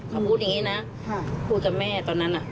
เขาพูดอย่างนี้นะพูดกับแม่ตอนนั้น